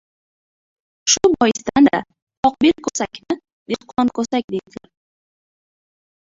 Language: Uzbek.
Shu boisdan-da, qoqbel ko‘sakni dehqonko‘sak, deydilar!